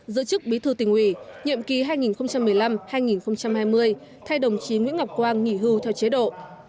giữ chức bí thư tỉnh ủy nhiệm kỳ hai nghìn một mươi năm hai nghìn hai mươi thay đồng chí nguyễn ngọc quang nghỉ hưu theo chế độ